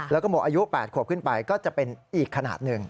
แล้วก็หมดอายุ๘ขวบขึ้นไปก็จะเป็นอีกขนาดหนึ่ง